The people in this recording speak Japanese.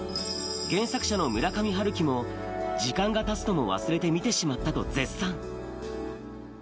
原作者の村上春樹も、時間がたつのも忘れて見てしまったと絶賛。